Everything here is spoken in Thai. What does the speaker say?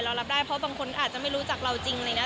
เรารับได้เพราะบางคนอาจจะไม่รู้จักเราจริงเลยนะ